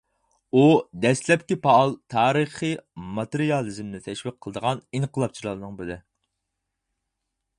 ئۇ دەسلەپكى پائال تارىخىي ماتېرىيالىزمنى تەشۋىق قىلىدىغان ئىنقىلابچىلارنىڭ بىرى.